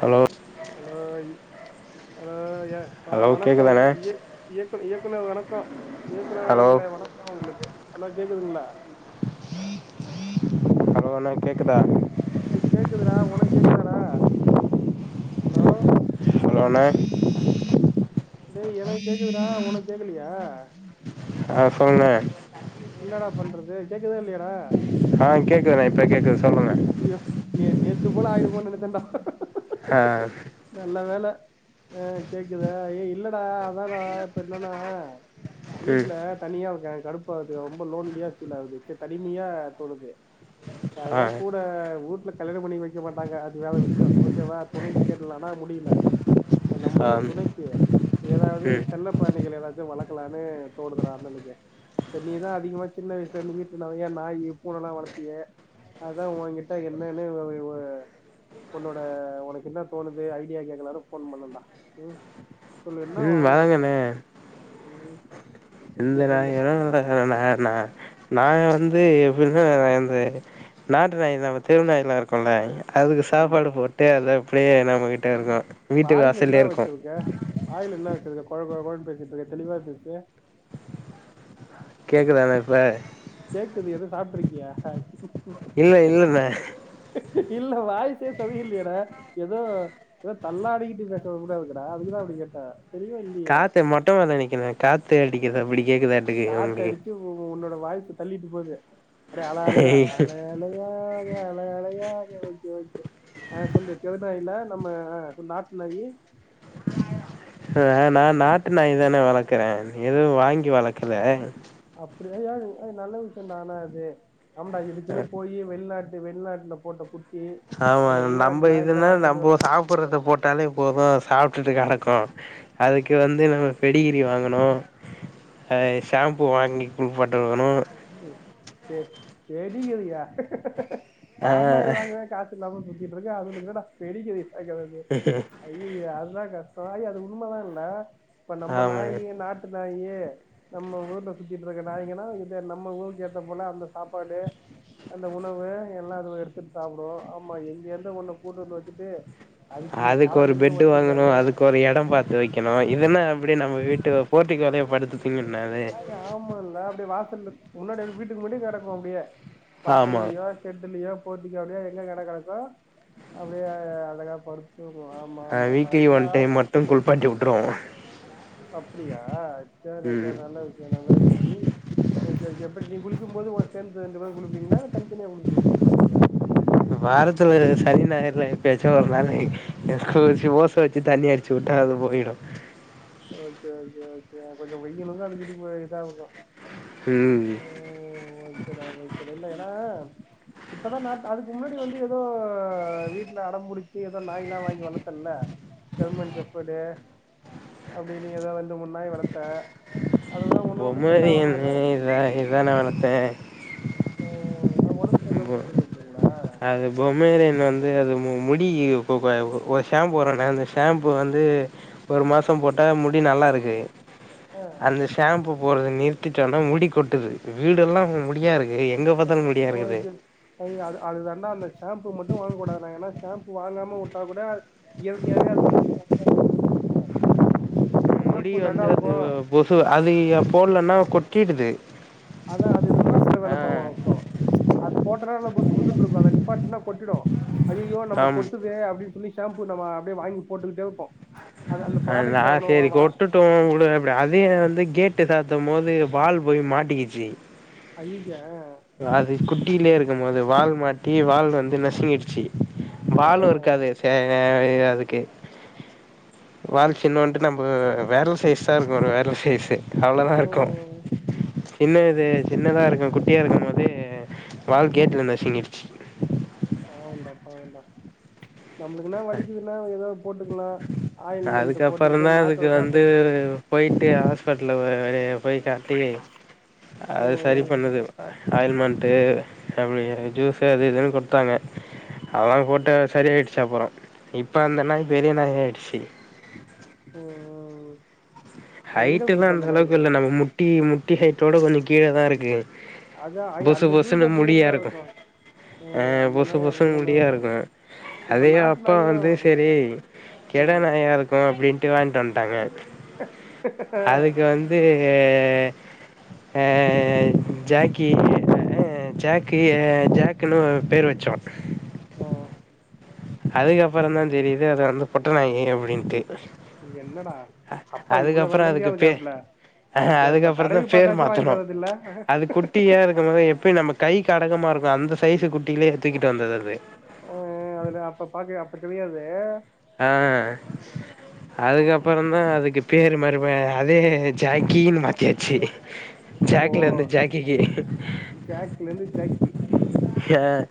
Hello hello hello ய ஆ hello வணக்கோ இ கேக்குதாண்ணே இ இயக்கு இயக்குநர் வணக்கோ ஹலோ இயக்குனவர்களே வணக்கோ உங்களுக்கு ஹலோ கேக்குதுங்களா ஹலோ ஹலோ கேக்குதா டேய் கேக்குதுடா ஒனக்கு கேக்குதாடா ஹலோ ஹலோ அண்ணே டேய் எனக்கு கேக்குதுடா ஒனக் கேக்கலையா ஆ சொல்ண்ணே என்னடா பண்றது கேக்குதா இல்லையாடா ஆ கேக்குதுண்ணே இப்ப கேக்குது சொல்லுங்க யோப் நீ நேத்து போல ஆயிருமோன்னு நெனச்சென்டா ஆ நல்ல வேல ஆ கேக்குதுதா ஏய் இல்லடா அதா தா இப்ப என்னன்னா ம் வீட்ல தனியா இருக்கே கடுப்பாகுது ரொம்ப லோன்லியா ஃபீல் ஆகுது செ தனிமையா தோணுது ஆ அதுதா கூட ஊட்ல கல்யாணோ பண்ணி வைக்க மாட்டாங்க அது வேற விஷயோ ஓகேவா துணை தேட்லான்னா முடியில ஆ நம்மளுக்கு ஒரு துணைக்கி ஏதாது ம் செல்ல பிராணிகள் ஏதாச்சு வளக் க்கலான்னு தோனுதுடா அண்ணணுக்கே செரி நீ தா அதிகமா சின்ன வயசுல இருந்து வீட்ல நெறைய நாய் பூன எல்லா வளத்தியே அதா ஓங்கிட்ட என்னன்னு ஒ ஒன்னோட ஒனக்கு என்ன தோனுது ஐடியா கேக்கலான்னு போன் பண்ணேண்டா உம் சொல்லு என்ன ம் வாங்கல்லா சொல்லு ம். ஓகே இல்லடா சொல்லு [unintelligible] நா நா நாங்க வந்து எப்பின்னா இந்த நாட்டு நாய்தா நம்ம தெரு நாய்ல்லா இருக்குல்ல. அதுக்கு ஆமா சாப்பாடு போட்டு அத அப்டியே நம்மகிட்ட இருக்கு வீட்டு வாயில என்ன வாசல்லியேருக்கு. வச்சிருக்க வாயில என்ன வெச்சிருக்க கொழ கொழ கொழன் பேசிட்ருக்க தெளிவா பேசு. கேக்குதாணா இப்ப? கேக்குது எது சாப்ட்ருக்கியா? இல்லை இல்லைண்ணே இல்ல வாய்சே சதியில்லயேடா எதோ எதோ தல்லாடிக்கிட்டு பேசறது போல இருக்குடா அதுக்குதா அப்டி கேட்டே. காத்து மொட்டமால்ல நிக்கிறணே காத்து அடிக்குது அப்பிடி கேக்குதா என் காத்தடிச்சு உ உன்னோட வாய்சு தள்ளிட்டு போது அடே அல அலயா அலையா அலையாக அல அலையாக ஓகே ஓகே அ சொல்லு தெரு நாய் இல்ல நம்ம அ நாட் நாயி ப்ப நா நாட்டு நாய்தாண்ணே வளக்குறே எதுவு வாங்கி வளக்கல. அப்டில்லா யாரு அது நல்ல விஷ்யந்தான அது நம்ப இதுக்குன்னு போயி வெள்நாட் டு வெள்நாட்ல போட்ட குட் ஆமா நம்ப இதுன்னா வந்து நம்போ வளர்த்து சாப்பட்றத போட் டாலே போது அது சாப்டுட்டு கெடக்கு, அதுக்கு வந்து நம்ம பெடிகிரி வாங்குணு. அ ஷாம்பூ வாங்கி குள்ப்பாட்ட வேணு. ம் பெ பெடிகிரியா ஆ பாம் ஆயில் வாங்கவே காசு இல்லாம சுத்திட்ருக்க அதுகுளுகென்னடா பெடிகிரி [unintelligible] ஹ்ஹ் அய்யய்ய அதுதா கஷ்டோ அய் அது உண்மதா இல்ல இப்ப நம்ம ஆமாங்க நாயி நாட் டு நாயி நம்ம கூட இந்த சுத்திட்ருக்க நாய்ங்கனா இ து நம்ம ஊருக்கு ஏத்த போல அந்த சாப்பாடு அந்த உணவு எல்லா அதுவே எடுத்துட் சாப்டு, ஆமா எங்கியேந்து ஒன்ன கூட்டுவந்து வெச்சுட்டு அதுக்கு ஒரு பெட்டு வாங்குணு அதுக்கு ஒரு எடம் பாத் து வெக்கணு இதுன்னா அப்டியே நம்ம வீட்டு போர்ட்டிக்கோலயே படுத்து தூங்கிண்ணா அது. நாய் ஆமால்ல அப்டே வாசல்ல முன்னாடி அப்டி வீட்டுக்கு முன்னாடியே கெடக்கு அப்டியே ஆமா வாசல்லியோ செட்டுலியோ போர்டிக்கோவுலியோ எங்க எடோ கெடக்கோ அப்டியே அழகா படு தூங்கு ஆமா ஆமா ஆமா அதுகெல்லா ட்டு குள்ப்பாட்டி உட்றுவோ. அப்டியா சேர்ரா சேர்ரா ம் நல்ல விஷ்யோ நல்ல விஷ்யோ நீ ஓகே ஓகே எப்டி நீ குளிக்கும் போது ஒ சேந்து ரெண்டு பேரு குளிப்பீங்களா இல்ல தன்தனியா குளிப்பு குளிப்பாட்டுவியா? வாரத்துல சனி ஞாயர்ல எப்பயாச்சு ஒரு நாளு [unintelligible] ஓஸ்ஸ வெச்சு தண்ணி அடி ச்சுட்டா அது போயிடு. ஓகே ஓகே ஓகே கொஞ்சோ வெய்யிலுக்கு அதுக்கு இதுவு இதாருக்கு. ம். ம் ஓகேடா ஓகேடா இல்ல ஏனா இப்பதா நாத் அதுக்கு முன்னாடி வந்து எதோ வீட்ல அடம்புடிச்சு எதோ நாய்லா வாங்கி வளத்தல்ல ஜெர்மன் ஜெஃபடு அப்டி நீ எதா ரெண்டு மூன் நாய் வளத்த அது பொமேரியன்னு இது நாய்தா நா வளத்தே. ம்ம் ஏ ஒடம் செர்லாமா செத்து போச்சிங்ளா? அது பொமேரியன் வந்து அது மு முடி பொ பொ [unintelligible] ஷாம்பு வருண்ணே அந்த ஷாம்பு வந்து ஒரு மாசம் போட்டா முடி நல்லா இருக்கு. அதுல ஷேம்பு போடர்த நிறுத்திட்டன்னா முடி கொட்டுது, வீடெல்லா முடியா இருக்கு. எங்க பாத்தாலு முடியா இருக்குது ஓகே அய்யயோ அது அது தாண்டா அந்த ஷேம்பு மட்டு வாங்க கூடாதுனே ஏனா ஷேம்பு வாங்காமவுட்டா கூட இயற்கையாவே அது முடி சாஃப்டா [inaudible] ஷேம்பு என்னேன்னா இப்போ போ சு அதயே போட்லன்னா கொட்டிடுது அதா அது ரிவர்ஸ்ல ஆ தான பா வேல பாக்கு அது போட்டனா நல்லா புசு புசுன்ட்ருக்கு அத நிப்பாட்னா கொட்டிடு அய்யய்யோ நம்ம ஆம் கொட்டுதே அப்டின் சொல்லி ஷேம்பு நம்ம அப்டியே வாங்கி போட்டுக்கிடே இருப்போ அத அந்த ப்ரோடுக்ட் எவ்வளாருவா [unintelligible] அதயு வந்து கேட்டு சாத்தும் போது வால் போய் மாட்டிக்கிச்சு அய்யய்யே அது குட்டிலே இருக்கும் போது வால் மாட்டி வால் வந்து நசுங்கிடுச்சி வாழு இருக்காது சேகர் அதுக்கு வால் சின்னூண்டு நம்ம வெரல் சைஸ் தா இருக்கு ஒரு வெரல் சைஸ்ஸி அவ்ளதா இருக்கு ஹம், சின்ன இது சின்னதா இருக்கு குட்டியா இருக்கும் போது வால் கேட்ல நசுங்கிடுச்சி பாவன்டா பாவன்டா நம்பளுக்கல்லா வலிக்குதுன்னா எதாத் போட்டுக்கலா அதுக்கப்பறந்தா அதுக்கு வந்து போயிட்டு ஹாஸ்பிட்டல வெளிய போய் காட்டி அது சரி ம் பண்ணுது ஆயில்மண்ட்டு அப்டி ஜூஸ்ஸு அது இதுன்னு குடுத்தாங்க. அவாய் போட்டே சரியாயிடுச்சு அப்பறோ இப்ப அந்த நாய் பெரிய நாய் ஆயிடுச்சி ஓ ஹைட்டுன்னா அந்த அளவுக்கு இல்லண்ணா நம்ம முட்டி முட்டி ஹைட்டோட கொஞ்ச கீழதா இருக்கு அதா ஐய பொசு அந்த பொசுன்னு அப்படித்தான்டா முடியாருக்கு இருக்கு ஆ ம் அந்த பொசு நாய் பொசுன்னு அப்படித்தான்டா இருக்கு முடியாருக்கு இப்ப அதே நாட்டு அப்பா நாயும் வந்து செரி கெட ம் நாயா இருக்கு அப்டின்ட்டு வாங்கிட்டு வந்ட்டாங்க. ஹாஹா அதுக்கு வந்து ஆ ஜாக்கி தே அ ஜாக்கிய ஜாக்குன்னு பேரு வச்சோ ஓ அதுக்கப்பறந்தா தெரியிது அது வந்து பொட்ட நாயி அப்டின்ட்டு என்னடா அப்பா இவ்வள வெள்ளந்திய அதுக்கு பே இருகாப்புல அட தே பா அதுக்கப்புறம் தடவி பாத்தாச்சு வாங்கிட்டு வறதில்ல குட்டியா இருக்குபோது எப்பயு நம்ம கைக்கு அடக்கமா இருக்கு அந்த சைசு குட்டிலயே தூக்கிட்டு வந்தது அது அ அது அப்ப பாக்க அப்ப தெரியாது. ஆ அதுக்கப்புறந்தா அதுக்கு பேரு மரும அதே ஜாக்கினு மாத்தியாச்சு. ஓ ஜாக்லருந்து ஜாக்கி ஏ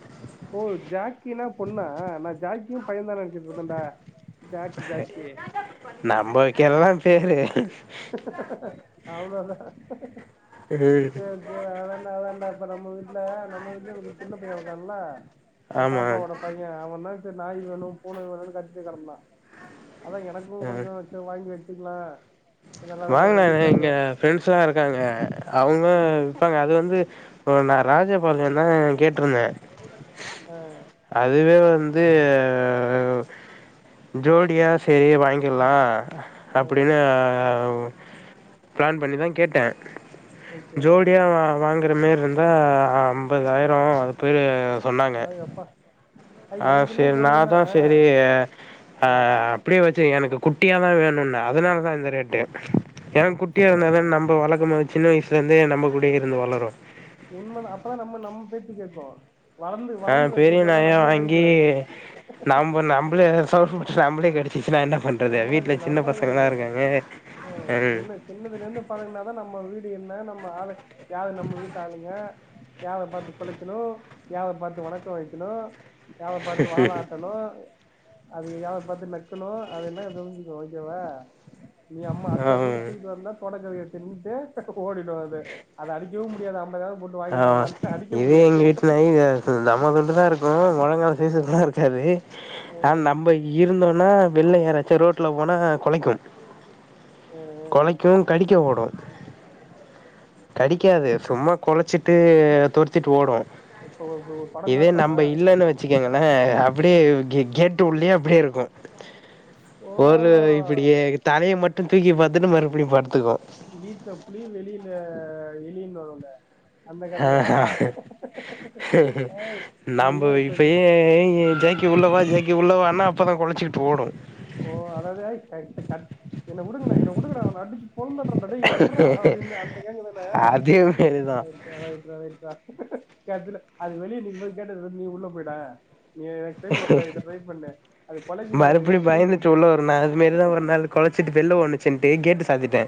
ஓ ஜாக்கினா பொண்ணா நா ஜாக்கியு பைய்யந்தா நெனச்சிட்ருந்தன்டா. ஜாக்கு ஜாக்கி நம்ப வெக்கிற தா பேரு அவ்ளோ தா ம் ஜீவா அதாண்டா அதாண்டா இப்ப நம்ம வீட்ல நம்ம வீட்லயு ஒரு சின்ன பைய்ய வந்தான்ல்ல எ ஆமா பாப்பாவோட பைய்யே அவ தா செரி நாய் வேணு பூன வேணுன் கத்தி கெடந்தா அதா எனக்கு அ கொஞ்சோ இத வாங்கி வச்சுக்ளா வாங்கலாங்க இங்க ஃப்ரெண்ட்ஸ்லா இருக்காங்க அவங்க ம் விப்பாங்க அது வந்து இப்ப நா ராஜபாளயம்தா கேட்டுருந்தே. ஆ அதுவே வந்து ஜோடியா சேரி வாங்கிட்லா ஆ அப்டின்னு பிளான் பண்ணிதா கேட்டே. ஓகே ஜோடியா வா வாங்குறமேரி இருந்தா அம்பதாயிரம் அது பெ ஆ எப்பா அது ஆ எனக்கு என்ன சேரி தோணுதுன்னா நான்தா சேரி அ ஆ அப்படியே வச்சிரு எனக்கு குட்டியாதா வேணுன்ன அதனாலதா இந்த ரேட்டு ஏன்னா குட்டிய இருந்தாதான நம்ப வளக்கபோது சின்ன வயசுலருந்தே நம்ம கூடே இருந்து வளரு. உண்மதா அப்பதா நம்ம நம்ம பேச்சு கேக்கு வளந்து வளந்தத கூப்பட்டு வந்தா நம்மள கடிக்கு அது நம்ப நம்பளே சோ நம்பளே கடிச்சுச்சுன்னா என்ன பண்றது நம்மள வீட்ல சின்ன நம்மள பசங்கல்லா இருக்காங்க, ம் சின்னதுலேந்து பழக்குனாதா நம்ம வீடு என்ன நம்ம ஆளு யாரு நம்ம வீட்டு ஆளுங்க யாரா பாத்து குலைக்கணு, யாரா பாத்து வணக்க வைக்கணு, யாரை பாத்து வால ஆட்டனு, அது பாத்து நக்கனு அது எல்லா தெரிஞ்சுக்கு ஓகேவா, நீ அம்மா அத்ததுண்டு ஆம் தூக்கிட்டு வந்தா தொடக்கரிய தின்னுட்டு ஓடிடு அது, அத அடிக்கவு முடியாது அம்பதாயிரம் போட் ஆமா, இது எங்க வீட்டு நாயி வே தம்மாதுண்டுதா இருக்கு முழங்கால் சைஸ்க்குலா இருக்காது ஆனா ம் நம்ப இருந்தோனா வெள்ல யாராச்சு ரோட்ல போனா கொலைக்கு ம் ம் கொலைக்கு, கடிக்க ஓடு, கடிக்காது சும்மா கொலச்சிட்டு சும்மா தொரத்திட்டு ஓடும், இப்ப ஒரு படோ இதே காட்டு நம்ப ஆ இல்லன்னு வச் சிகங்களா அப்டியே கேட் உள்ளயே அப்டியே இருக்கு ஓ ஒரு இப்டியே தலைய மட்டு தூக்கி பாத்துட்டு மறுபடியு படுத்துக்கு வீட்ல புலி வெளில எலின்னு வரும்ல அந்த கதையா ஏய் அந்த நம்ப இவன் இப்ப இந்த இப்பயே ஜாக் கி உள்ள வா ஜாக்கி உள்ளவானா அப்போதா கொலச்சிகிட்டு ஓடு, ஓ அதாவது கயத்த கட் என்ன வுடுங்கனா என்ன வுடுங்கடா அவ அடிச்சு பொளந்துட்ற அடோய் என்ன வுட்றா அப்டின்னு அந்த கேங்குதான அதே மாரிதா ரைட் ரா ரைட் ரா, கடைசில அது வெளியே நிக்கும்போது கேட்ட தொறந்து நீ உள்ள போய்ட எனக் ட்ரை பண்ணுடா இத ட்ரை பண்ணு அது பழக்கும் போது மறுபடியு வெளியில பயந்துட்டு விட்டு உள்ள வரு நா இ துமேரிதா ஒரு நாள் கொலச்சிட்டு வெள்ல ஒடுனுசின்ட்டு கேட்டு சாத்திட்டே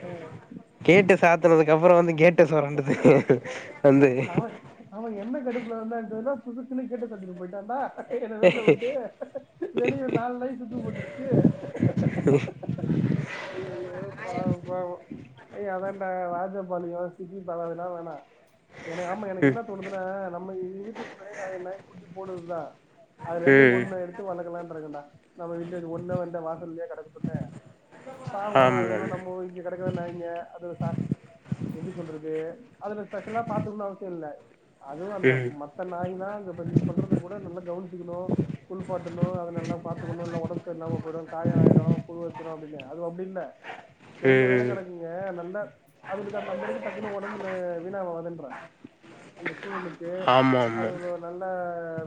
ம் கேட்ட சாத்துனதுக்கு அப்பறோ வந்து கேட்ட சொரண்டுது வந்து அவ அவ என்ன கடுப்புல இருந்தானு தெரில பொசுக்குன்னு கேட்ட சாத்திட்டு போயிட்டாண்டா போய்ட்டா என்ன வெளில வுட்டு வெளிய ஒரு நாலு நாய் சுத்து போட்டுருச்சு ஹ [unintelligible] ஐய்யய்யே பாவம் பாவம் ஏய் அதான்டா ராஜபாளயோ, சிப்பிபாற அதெல்லா வேணா எனக்கு ஆமா எனக்கு என்ன தோணுதுனா நம்ம எங்க வீட்டுக்கு முன்னடியே நறைய நாய் குட்டி போடுதுதா அதுலுந்து ம் ஒண்ண எடுத்து வளக்கலான்ட்ருக்கடா நம்ம வீட்ல வெச்சு ஒண்ணா வந்து வாசல்லியே கடக்கட்டுமே பாவோ அது ஆமாம் ஒன்னு நம்ம ஒதுக்கி கிடக்குற நாய்ங்க அது சாப் எப்டி சொல்றதே அதுல ஸ்பெஷலா பாத்துக்கனு அவசியு இல்ல அதுவு அந்த ம் மத் த்த நாய்னா த இப்ப நீ சொல்றத கூட நம்ம கவன்ச்சிக்கிணு குள்ப்பாட்டணு அத நல்லா பாத்துக்குணு இல்லனா ஒடம் சரி இல்லாம போய்டு காயோ ஆய்டும் புழு வச்சிரு அப்டின்னு அது அப்டி இல்ல தெருவுல தானே ம் கடக் இங்க நல்ல அதுகளுக்கு அது நந்தருக்கு டக்குன்னு ஒடம்புனு வீணாவாவாதன்ற அந்த சூழலுக்கு ஆமா அது ஆமா ஒரு நல்ல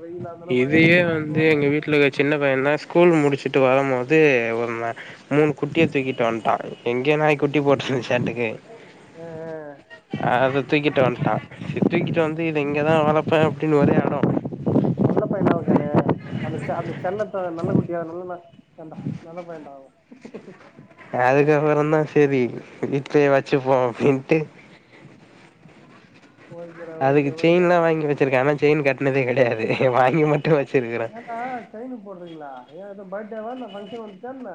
வெயிலா இருந்தாலு மழையா இதையே இருந்தாலு தாங்கு வந்து எங்க வீட்ல இருக்க சின்ன பையன்ல ஸ்கூல் முடிச் கிட்டு வருமோது ஒரு நா மூணு குட்டிய தூக்கிட்டு வந்ட்டா எங்க நாய் குட்டி போட்றுச்சாட்டுக்கு ஆ அத தூக்கிட்டு வன்ட்டா இ தூக்கிட்டு வந்து இது இங்கதா வளப்பே அப்படின்னு ஒரே அடோ நல்ல பையனா இருக்கானே அந்த ச்சான்னு செல்லத்த நல்ல குட்டியா இருந்தாலு ந கண்டா நல்ல பயன்டா அவு அதுக்கப்பறன்தா சரி வீட்லே வச்சிப்போ அப்பின்ட்டு ஓகேடா ஓகே அதுக்கு ஓகே செயின்லா வாங்கி வச்சிருக்கே ஆனா செய்ன் கட்னதே கெடையாது ஏ வாங்கி மட்டு வச்சிருக்கிறே ட்ரெய்னுக் போட்றீங்ளா ஏ எதோ பர்ட்டேவானா ஃபங்க்ஷன் வந்துச்சான்ன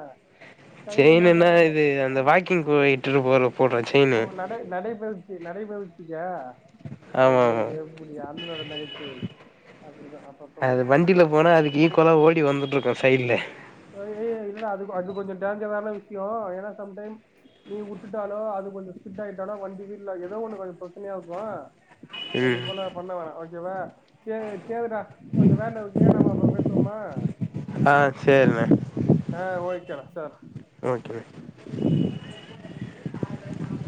செய்ன்னுனா இது அந்த வாக்கிங் போயிட்ருப்போல போட்ற செய்ன்னு டை நடைப்பயிர்ச்சி நடைப்பயிர்ச்சிக்கா ஆமா ஆமா அய்யய்யோ முடி அண்ணணோட நகைச்சுவை அப்படிதா அப்பப்ப ஒரே இப்பதா ஓடி வந்துட்ருக்கோ சைட்லே சோல்வே ஏ என்னடா அது அது கொஞ்சோ டேஞ்சரான விஷ்யோ ஏனா சம்டைம் நீ வுட்டுட்டாலோ அது கொஞ்சோ ஸ்கிட் ஆய்ட்டாலோ வண்டி வீடுல ஏதோ ஒண்ணு கொஞ்சோ ப்ரச்சனையாகோ அது ம் போல பண்ண வேணா ஓகேவா சேர் சேரிடா கொஞ்ச வேன்டவ் ஏ நா [unintelligible] சுமா ஆ சேர்ணே ஆ ஓகேடா சேர் ஓகேஒய்